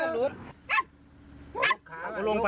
ลูกลุบ